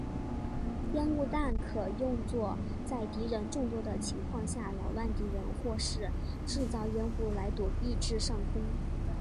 烟雾弹可用作在敌人众多的情况下扰乱敌人或是制造烟雾来躲避至上空。